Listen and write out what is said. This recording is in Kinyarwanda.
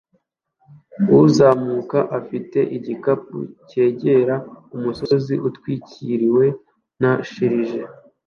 Uzamuka afite igikapu cyegera umusozi utwikiriwe na shelegi